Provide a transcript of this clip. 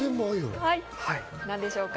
なんでしょうか。